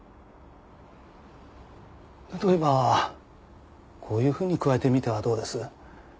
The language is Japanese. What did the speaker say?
例えばこういうふうに加えてみてはどうです？